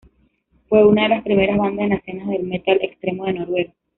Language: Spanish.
Fue una de las primeras bandas en la escena del metal extremo de Noruega.